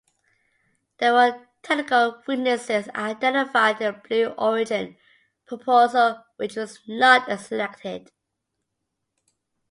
There were technical weaknesses identified in the Blue Origin proposal which was not selected.